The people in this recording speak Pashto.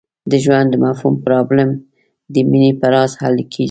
د ژوند د مفهوم پرابلم د مینې په راز حل کېږي.